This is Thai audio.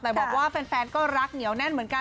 แต่บอกว่าแฟนก็รักเหนียวแน่นเหมือนกัน